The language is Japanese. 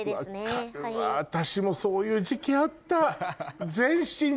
分かるわ私もそういう時期あった。